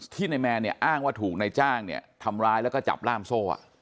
ที่ในแมนอ้างว่าถูกในจ้างทำร้ายแล้วก็จับร่ามโซ่